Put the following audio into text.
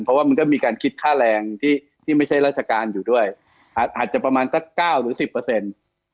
เพราะว่ามันก็มีการคิดค่าแรงที่ที่ไม่ใช่ราชการอยู่ด้วยอาจจะประมาณสักเก้าหรือสิบเปอร์เซ็นต์